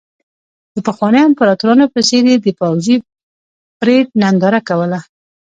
د پخوانیو امپراتورانو په څېر یې د پوځي پرېډ ننداره کوله.